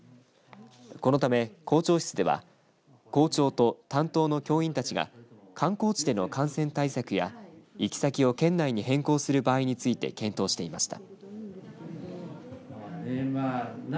このため校長室では校長と担当の教員たちが観光地での感染対策や行き先を県内に変更する場合について検討していました。